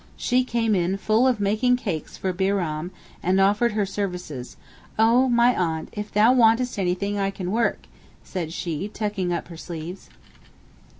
She came in full of making cakes for Bairam, and offered her services; 'Oh my aunt, if thou wantest anything I can work,' said she, tucking up her sleeves.